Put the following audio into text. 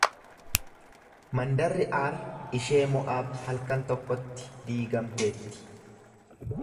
Mandarri Aar ishee Mo’aab halkan tokkotti diigamteetti.